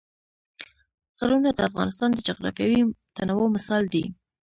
غرونه د افغانستان د جغرافیوي تنوع مثال دی.